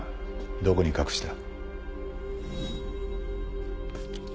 どこに隠した？